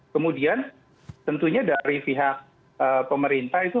kemudian tentunya dari pihak pemerintah itu